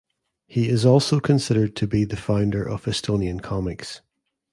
He is also considered to be the founder of Estonian comics.